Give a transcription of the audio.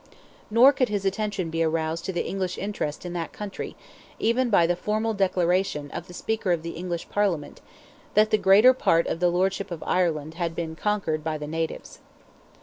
Nor could his attention be aroused to the English interest in that country, even by the formal declaration of the Speaker of the English Parliament, that "the greater part of the lordship of Ireland" had been "conquered" by the natives.